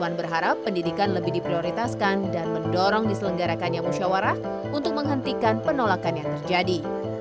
puan berharap pendidikan lebih diprioritaskan dan mendorong diselenggarakannya musyawarah untuk menghentikan penolakan yang terjadi